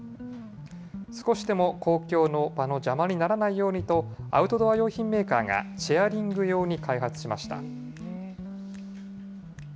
少しでも公共の場の邪魔にならないようにと、アウトドア用品メーカーが、チェアリング用に開発しました。